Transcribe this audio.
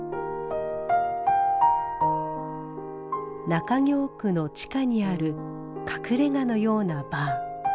中京区の地下にある隠れがのようなバー。